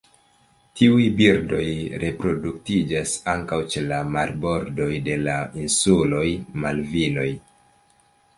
Tiuj birdoj reproduktiĝas ankaŭ ĉe la marbordoj de la insuloj Malvinoj.